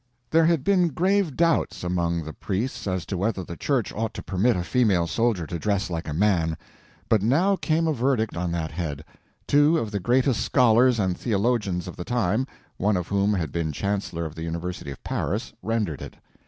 There had been grave doubts among the priests as to whether the Church ought to permit a female soldier to dress like a man. But now came a verdict on that head. Two of the greatest scholars and theologians of the time—one of whom had been Chancellor of the University of Paris—rendered it.